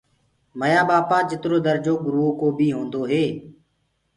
ميآ ٻآپآ جِترو درجو گُروئو ڪو بي هوندو هي،